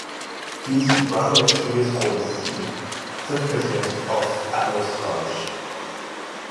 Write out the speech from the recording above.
He is the brother of Julius Hawley Seelye, fifth president of Amherst College.